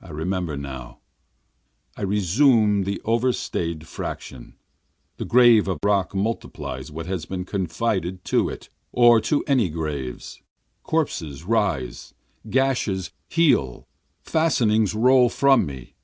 I remember now, I resume the overstaid fraction, The grave of rock multiplies what has been confided to it, or to any graves, Corpses rise, gashes heal, fastenings roll from me.